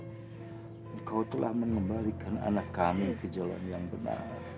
engkau telah mengembalikan anak kami ke jalan yang benar